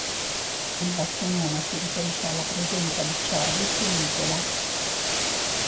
Il vecchio nome si riferisce alla presenza di cervi sull'isola.